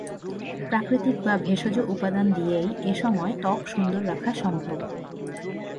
প্রাকৃতিক বা ভেষজ উপাদান দিয়েই এ সময় ত্বক সুন্দর রাখা সম্ভব।